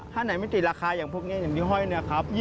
ถ้าไหนไม่ติดราคาอย่างพวกนี้อย่างยีห้อยเนี่ยครับ